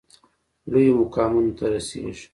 لویو مقامونو ته رسیږي.